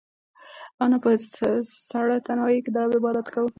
انا په سړه تنهایۍ کې د رب عبادت کاوه.